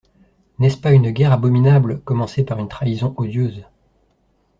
N’est-ce pas une guerre abominable… commencée par une trahison odieuse ?